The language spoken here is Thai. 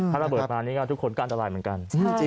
ถ้าระเบิดมานี่ก็ทุกคนก็อันตรายเหมือนกัน